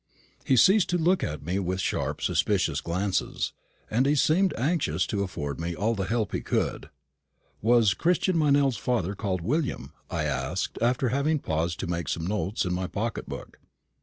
He ceased to look at me with sharp, suspicious glances, and he seemed anxious to afford me all the help he could. "Was Christian Meynell's father called William?" I asked, after having paused to make some notes in my pocket book.